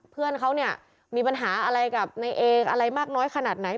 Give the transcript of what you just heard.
เพื่อนเขาเนี่ยมีปัญหาอะไรกับนายเอกอะไรมากน้อยขนาดไหน